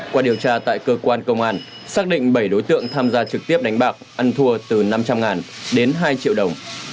qua điều tra tại cơ quan công an xác định bảy đối tượng tham gia trực tiếp đánh bạc ăn thua từ năm trăm linh đến hai triệu đồng